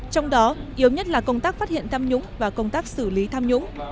trong đó yếu nhất là công tác phát hiện tham nhũng và công tác xử lý tham nhũng